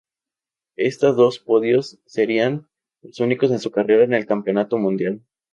Estas dos podios serían los únicos en su carrera en el campeonato mundial.